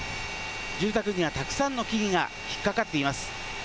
住宅にはたくさんの木々が引っ掛かっています。